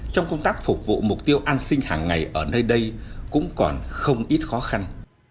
trong công tác phục vụ mục tiêu an sinh hàng ngày ở nơi đây cũng còn không ít khó khăn